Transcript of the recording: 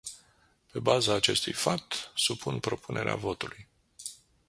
Pe baza acestui fapt, supun propunerea votului.